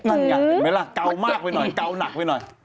งั้นงั้นได้ไหมล่ะเกามากไปหน่อยเกานักไปหน่อย